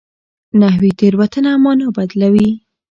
نحوي تېروتنه مانا بدلوي.